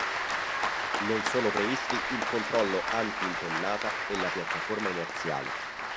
Non sono previsti il controllo anti-impennata e la piattaforma inerziale.